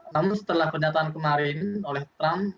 namun setelah pernyataan kemarin oleh trump